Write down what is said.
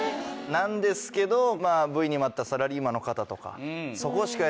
なんですけどＶＴＲにもあったサラリーマンの方とか。